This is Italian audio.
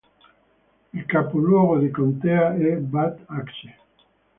Il capoluogo di contea è Bad Axe.